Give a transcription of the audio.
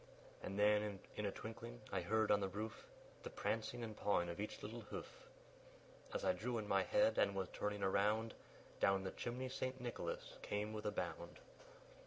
And then, in a twinkling, I heard on the roof The prancing and pawing of each little hoof. As I drew in my head, and was turning around, Down the chimney St. Nicholas came with a bound.